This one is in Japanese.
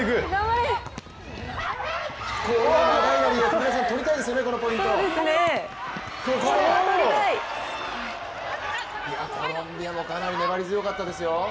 コロンビアもかなり粘り強かったですよ。